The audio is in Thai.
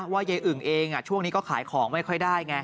ยายอึ่งเองช่วงนี้ก็ขายของไม่ค่อยได้ไง